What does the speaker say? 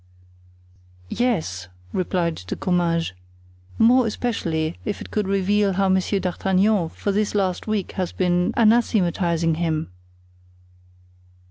"Yes," replied De Comminges, "more especially if it could reveal how Monsieur d'Artagnan for this last week has been anathematizing him."